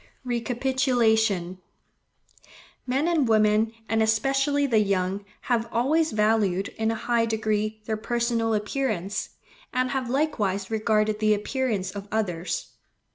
Recapitulation.—Men and women, and especially the young, have always valued, in a high degree, their personal appearance; and have likewise regarded the appearance of others.